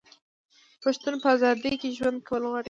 پښتون په ازادۍ کې ژوند کول غواړي.